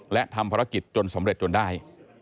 และทำภารกิจจนสำเร็จจนได้